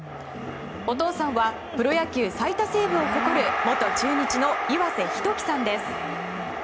お父さんはプロ野球最多セーブを誇る元中日の岩瀬仁紀さんです。